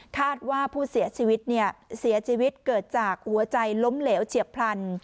คาดว่าผู้เสียชีวิตเสียชีวิตเกิดจากหัวใจล้มเหลวเฉียบพลัน